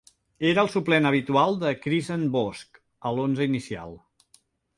Era el suplent habitual de Crisant Bosch a l'onze inicial.